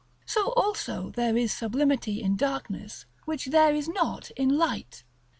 So also there is sublimity in darkness which there is not in light. § XXXIV.